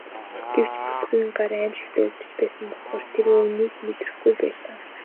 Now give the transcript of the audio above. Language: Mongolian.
Гэвч бүсгүйн гар аймшигтай өвдөж байсан болохоор тэр үүнийг мэдрэхгүй байлаа.